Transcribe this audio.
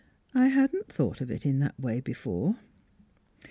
" I hadn't thought of it in that way before."